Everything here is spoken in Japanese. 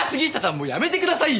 もうやめてくださいよ！